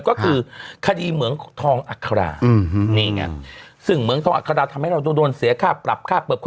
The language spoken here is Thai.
ก็คือคดีเหมืองทองอัครานี่ไงซึ่งเหมืองทองอัคราทำให้เราต้องโดนเสียค่าปรับค่าปรับ